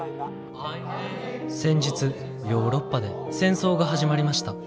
「先日ヨーロッパで戦争が始まりました。